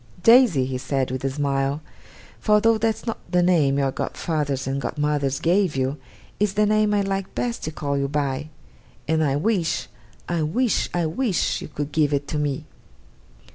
'Daisy,' he said, with a smile 'for though that's not the name your godfathers and godmothers gave you, it's the name I like best to call you by and I wish, I wish, I wish, you could give it to me!